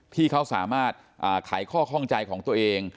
ที่เขาสามารถไขข้อข้องใจของตัวเอง